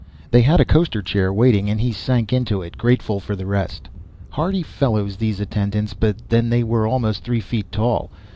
They had a coasterchair waiting and he sank into it, grateful for the rest. Hardy fellows, these attendants, but then they were almost three feet tall.